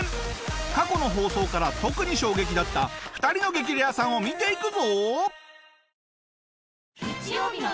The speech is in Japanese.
過去の放送から特に衝撃だった２人の激レアさんを見ていくぞ！